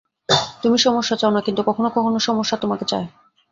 তুমি সমস্যা চাও না, কিন্তু কখনো কখনো সমস্যা তোমাকে চায়।